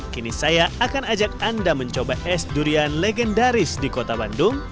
kini saya akan ajak anda mencoba es durian legendaris di kota bandung